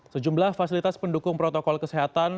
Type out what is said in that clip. sejumlah fasilitas pendukung protokol kesehatan